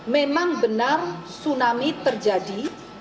memang benar tsunami terjadi